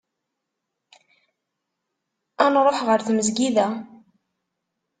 Ad nruḥ ɣer tmezgida.